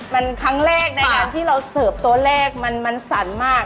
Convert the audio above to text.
มันครั้งแรกในการที่เราเสิร์ฟตัวเลขมันสั่นมาก